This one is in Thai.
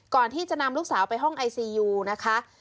ก่อนที่จะนำลูกสาวไปห้องไอซียูนะคะ